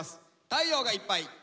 「太陽がいっぱい」。